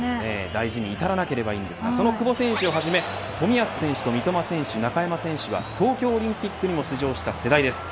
大事に至らなければいいですがその久保選手をはじめ冨安選手と三笘選手、中山選手は東京オリンピックにも出場した世代です。